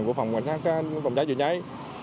của phòng cháy chữa cháy